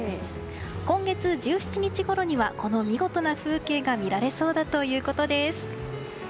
今月１７日ごろにはこの見事な風景が見られそうだということです。